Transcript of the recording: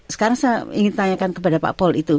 sekarang saya ingin tanyakan kepada pak pol itu